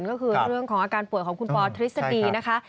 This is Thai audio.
ก็คือเรื่องของอาการป่วยของคุณปอทฤษฎีนะคะ